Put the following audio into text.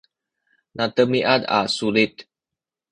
nademiad a sulit